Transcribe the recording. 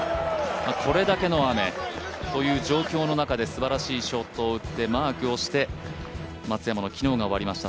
これだけの雨という状況の中ですばらしいショットを打ってマークをして、松山の昨日が終わりました。